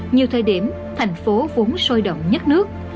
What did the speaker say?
nhiều thời điểm thành phố vốn sôi động nhất nước